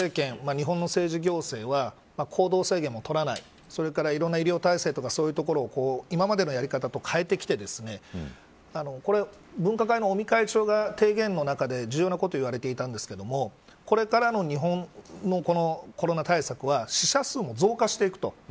日本の政治行政は行動制限も取らないそれから、いろんな医療体制とかそういうところを今までのやり方と変えてきてこれは分科会の尾身会長が提言の中で重要なことを言われていたんですがこれからの日本のコロナ対策は死者数も増加していくと。